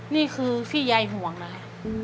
นี่คือพี่ยายห่วงนะ